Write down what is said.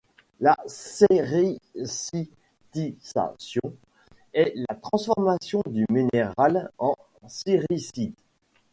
La séricitisation est la transformation d'un minéral en séricite.